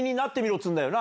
っつうんだよな。